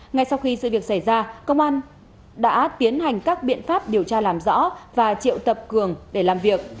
ngay sau khi sự việc xảy ra công an đã tiến hành các biện pháp điều tra làm rõ và triệu tập cường để làm việc